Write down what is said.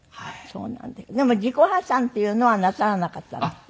でも自己破産っていうのはなさらなかったんですって？